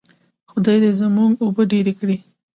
خدای دې زموږ اوبه ډیرې کړي.